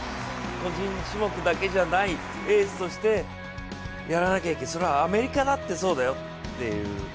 個人種目だけじゃないエースとしてやらなきゃいけないそれはアメリカだってそうだよっていう。